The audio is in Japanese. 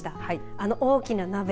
あの大きな鍋。